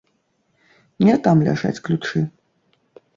Не там ляжаць ключы.